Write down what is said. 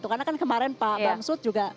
karena kan kemarin pak bamsud juga